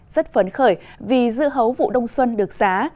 rất phấn khởi vì dưa hấu vụ đông xuân được giá